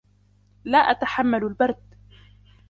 لا أتحمل البرد.